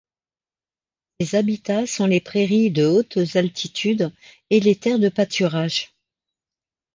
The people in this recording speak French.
Ses habitats sont les prairies de hautes altitudes et les terres de pâturage.